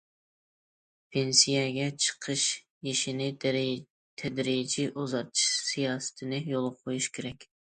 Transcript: پېنسىيەگە چىقىش يېشىنى تەدرىجىي ئۇزارتىش سىياسىتىنى يولغا قويۇش كېرەك.